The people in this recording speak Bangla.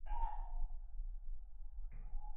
গুড মর্নিং ছেলেরা সুন্দর কালার পীযূষ।